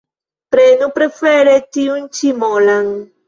Prenu prefere tiun ĉi molan